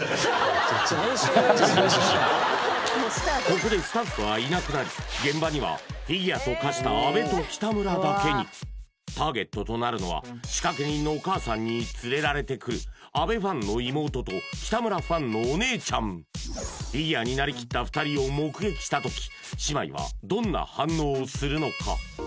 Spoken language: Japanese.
ここでスタッフはいなくなり現場にはターゲットとなるのは仕掛人のお母さんに連れられてくる阿部ファンの妹と北村ファンのお姉ちゃんフィギュアになりきった２人を目撃した時姉妹はどんな反応をするのか？